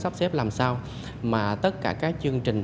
sắp xếp làm sao mà tất cả các chương trình